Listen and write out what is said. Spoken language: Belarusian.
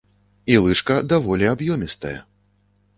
І лыжка даволі аб'ёмістая.